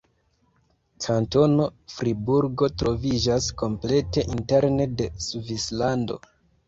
Kantono Friburgo troviĝas komplete interne de Svislando.